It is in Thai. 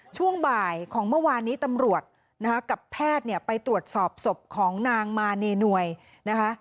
ช่วงบ่ายของเมื่อวานนี้ตำรวจนะคะกับแพทย์เนี่ยไปตรวจสอบศพของนางมาเนนวยนะคะ